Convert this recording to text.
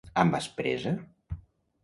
-Amb aspresa?